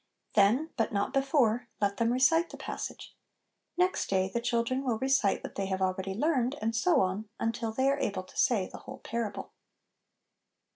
Then, but not before, let them recite the passage. Next day the children will recite what they have already learned, and so on, until they are able to say the whole parable.